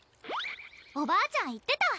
おばあちゃん言ってた！